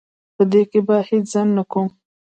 په دې کې به هیڅ ځنډ نه کوم.